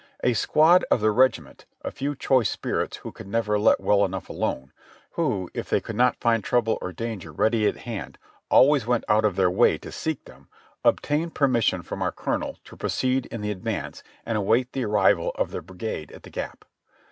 A squad from the regiment, a few choice spirits who could never let well enough alone, who if they could not find trouble or danger ready at hand always went out of their way to seek them, obtained permission from our colonel to proceed in the advance and await the arrival of the brigade at the Gap.